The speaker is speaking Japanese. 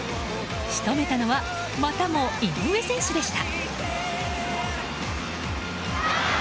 仕留めたのはまたも井上選手でした。